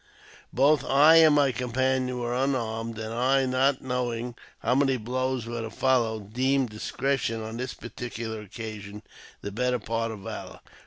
Both I and my companion were unarmed ; and I, not knowing how many blows were to follow, deemed dis cretion on this particular occasion the better part of valour.